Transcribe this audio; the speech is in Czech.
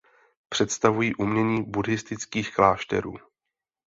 Představují umění buddhistických klášterů.